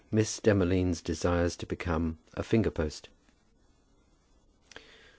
MISS DEMOLINES DESIRES TO BECOME A FINGER POST.